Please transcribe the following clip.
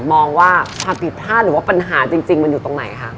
มองว่าความผิดพลาดหรือว่าปัญหาจริงมันอยู่ตรงไหนคะ